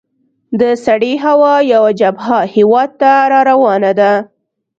د سړې هوا یوه جبهه هیواد ته را روانه ده.